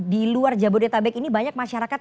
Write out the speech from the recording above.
di luar jabodetabek ini banyak masyarakat